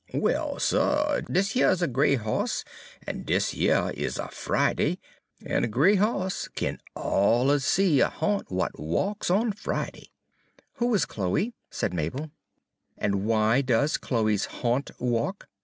"Well, suh, dis yer is a gray hoss, en dis yer is a Friday; en a gray hoss kin alluz see a ha'nt w'at walks on Friday." "Who was Chloe?" said Mabel. "And why does Chloe's haunt walk?"